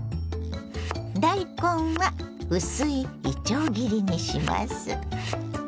大根は薄いいちょう切りにします。